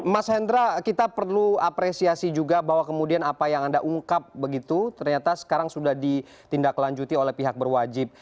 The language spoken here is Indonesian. mas hendra kita perlu apresiasi juga bahwa kemudian apa yang anda ungkap begitu ternyata sekarang sudah ditindaklanjuti oleh pihak berwajib